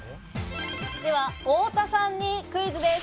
では太田さんにクイズです。